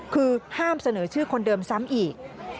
คือห้ามเสนอชื่อคนเดิมซ้ำอีก